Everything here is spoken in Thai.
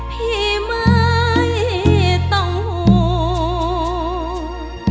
พี่ไม่ต้องห่วง